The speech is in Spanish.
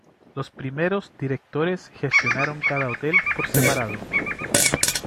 Los primeros directores gestionaron cada hotel por separado.